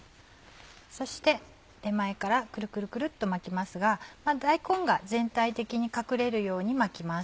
そして手前からくるくるくるっと巻きますが大根が全体的に隠れるように巻きます。